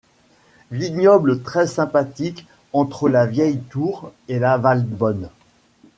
Vignoble très sympathique entre la Vieille Tour et la Valbonne.